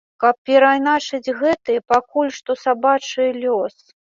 Каб перайначыць гэты, пакуль што сабачы, лёс.